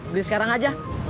beli sekarang aja